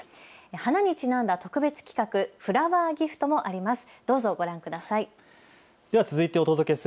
花にちなんだ特別企画、フラワーギフトもあります。